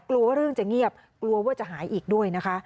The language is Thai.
กลัวว่าเรื่องจะเงียบกลัวว่าจะหายอีกด้วยนะคะ